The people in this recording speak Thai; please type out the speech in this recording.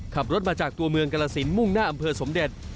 ขับรถมาจากตัวเมืองกรสินมุ่งหน้าอำเภอสมเด็จ